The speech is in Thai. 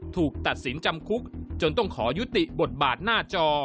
ถูกตัดสินจำคุกจนต้องขอยุติบทบาทหน้าจอ